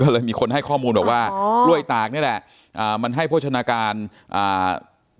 ก็เลยมีคนข้อมูลด้วยว่าอ๋อรวยตากนี้แหละอ่ามันให้โภชนาการนะอ่า